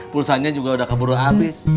pulsanya juga udah keburu habis